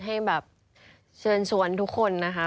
ให้แบบเชิญชวนทุกคนนะคะ